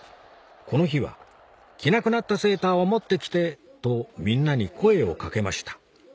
この日は「着なくなったセーターを持って来て」とみんなに声を掛けました